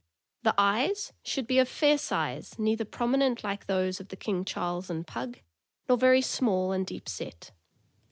The eyes should be of fair size, neither prominent like those of the King Charles and Pug, nor very small and deep set.